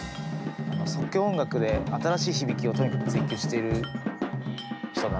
即興音楽で新しい響きをとにかく追求してる人だなと思いますね。